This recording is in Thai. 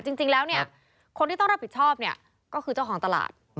จริงแล้วคนที่ต้องรับผิดชอบก็คือเจ้าของตลาด